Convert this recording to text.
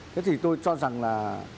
thế thì tôi cho rằng là